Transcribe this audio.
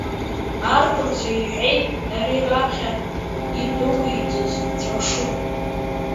Арԥарцәа иҳәеит ари раԥхьа идәықәиҵаз ҵәыршуп!